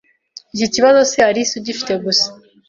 Iki kibazo si Alice ugifite gusa.